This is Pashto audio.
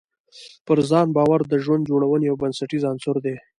پر ځان باور د ژوند جوړونې یو بنسټیز عنصر دی.